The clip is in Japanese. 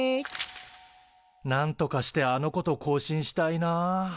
なんとかしてあの子と交信したいな。